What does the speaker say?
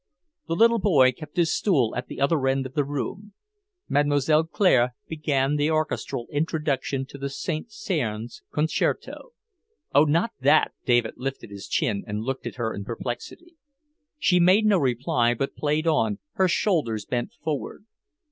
The little boy kept his stool at the other end of the room. Mlle. Claire began the orchestral introduction to the Saint Saens concerto. "Oh, not that!" David lifted his chin and looked at her in perplexity. She made no reply, but played on, her shoulders bent forward.